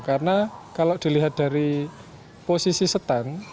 karena kalau dilihat dari posisi setan